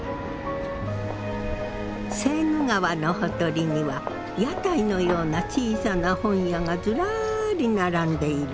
セーヌ川のほとりには屋台のような小さな本屋がずらり並んでいる。